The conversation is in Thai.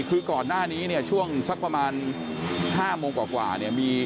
คือก่อนหน้านี้ช่วงสักประมาณ๕โมงกว่ามี